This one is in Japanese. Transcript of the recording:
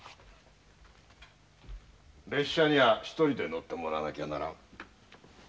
列車には１人で乗ってもらわなきゃならん。